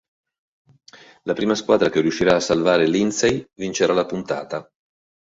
La prima squadra che riuscirà a salvare Lindsay vincerà la puntata.